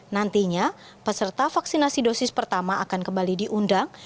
nantinya peserta vaksinasi dosis pertama akan kembali diundang